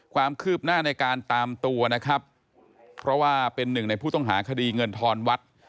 ความคืบหน้าในการตามตัวนะครับเพราะว่าเป็นหนึ่งในผู้ต้องหาคดีเงินทอนวัด